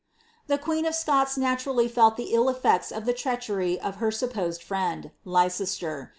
The queen of Scots naturally felt the ill eflecis of the treachery of her supposed friend, Leicester.